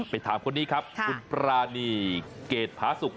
ไปถามคนนี้ครับคุณปรานีเกรดผาสุก